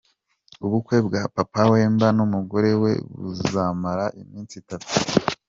Ubukwe bwa Papa Wemba n’umugore we, buzamara iminsi itatu.